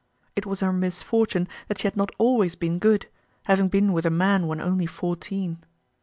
It was her misfortune that she had not always been good, having been with a man when only fourteen.